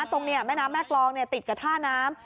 แม่น้ำแม่กรองติดกับท่าน้ำ